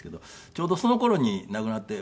ちょうどその頃に亡くなって。